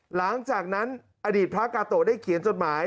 หลังจากนั้นอดีตพระกาโตะได้เขียนจดหมาย